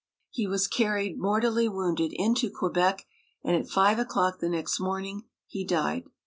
He was carried, mortally wounded, into Quebec, and at five o'clock the next morn ing he died.